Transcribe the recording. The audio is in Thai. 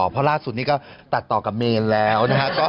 เพราะล่าสุดนี้ก็ตัดต่อกับเมนแล้วนะฮะ